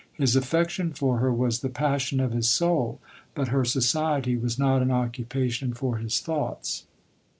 His affection for her was the passion of his soul ; but her society was not an occupation LODORE. 29 for his thoughts.